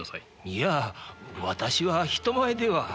いや私は人前では。